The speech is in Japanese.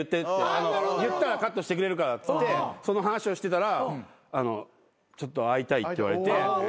言ったらカットしてくれるからっつってその話をしてたらちょっと会いたいって言われて。